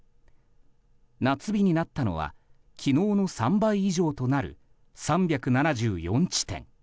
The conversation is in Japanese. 夏日になったのは昨日の３倍以上となる３７４地点。